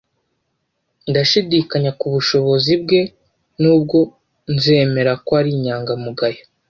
Ndashidikanya kubushobozi bwe nubwo nzemera ko ari inyangamugayo.